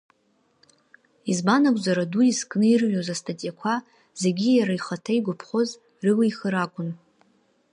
Избан акәзар Аду изкны ирыҩуаз астатиақәа зегьы иара ихаҭа игәаԥхоз рылихыр акәын.